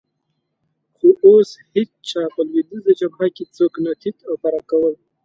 خو اوس هېڅ چا په لوېدیځه جبهه کې څوک نه تیت او پرک کول.